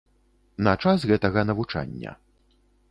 На час гэтага навучання.